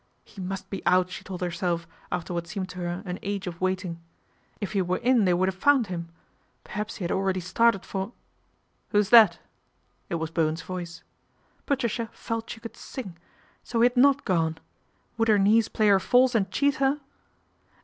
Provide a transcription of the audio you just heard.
He must be out, she told herself, after what seemed to her an age of waiting. If he were in they would have found him. Perhaps he had already started for ' Who is that ?" It was Bowen's voice. Patricia felt she could sing. So he had not gone ! Would her knees play her false and cheat her